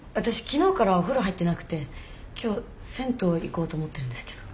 昨日からお風呂入ってなくて今日銭湯行こうと思ってるんですけど。